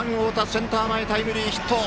センター前タイムリーヒット！